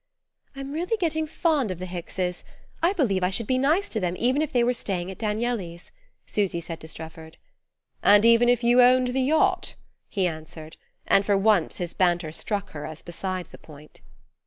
"I'm getting really fond of the Hickses; I believe I should be nice to them even if they were staying at Danieli's," Susy said to Strefford. "And even if you owned the yacht?" he answered; and for once his banter struck her as beside the point.